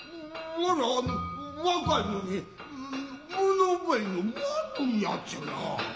わりゃ若いのにもの覚えの悪いやっちゃな。